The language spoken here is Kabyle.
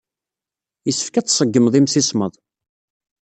Yessefk ad tṣeggmed imsismeḍ.